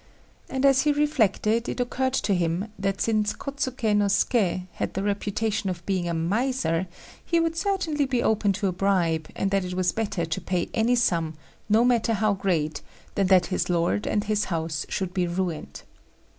And as he reflected, it occurred to him that since Kôtsuké no Suké had the reputation of being a miser he would certainly be open to a bribe, and that it was better to pay any sum, no matter how great, than that his lord and his house should be ruined.